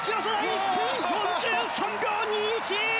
１分４３秒２１！